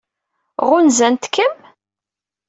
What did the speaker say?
Ɣunzant-kem?